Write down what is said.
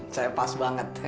saya pas banget deh